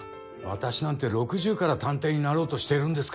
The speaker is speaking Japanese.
私なんて６０から探偵になろうとしてるんですから。